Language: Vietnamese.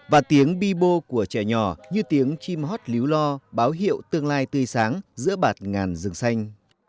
và tiếng bi bô của trẻ nhỏ như tiếng chim hót lý lo báo hiệu tương lai tươi sáng giữa bạt ngàn rừng xanh